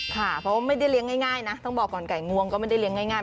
ค่ะเพราะว่าไม่ได้เลี้ยงง่ายนะต้องบอกก่อนไก่งวงก็ไม่ได้เลี้ยงง่าย